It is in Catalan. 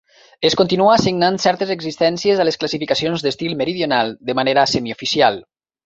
Es continua assignant certes existències a les classificacions d'estil meridional de manera semioficial.